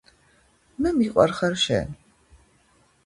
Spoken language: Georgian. მე მიყვარხარ შენ